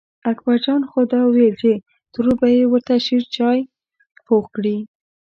اکبر جان خو دا وېل چې ترور به یې ورته شېرچای پوخ کړي.